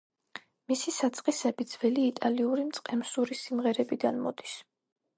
მისი საწყისები ძველი იტალიური მწყემსური სიმღერებიდან მოდის.